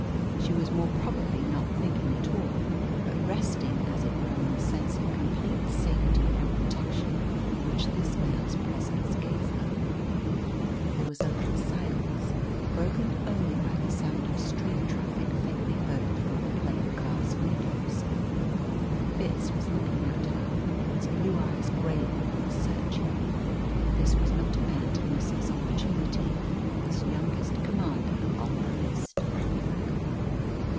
She was more probably not thinking at all, but resting as it were in the sense of complete safety and protection which this man's presence gave her. There was a little silence, broken only by the sound of street traffic faintly heard through the plate glass windows. Fitz was looking at her, his blue eyes grave and searching. This was not a man to miss his opportunity, this youngest commander on the list.